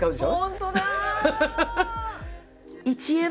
本当だ！